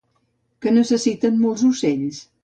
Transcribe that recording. Què necessiten molts ocells?